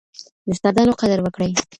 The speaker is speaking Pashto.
د استادانو قدر وکړئ.